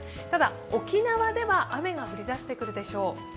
ただ、沖縄では雨が降り出してくるでしょう。